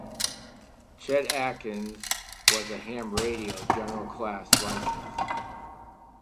Chet Atkins was a ham radio general class licensee.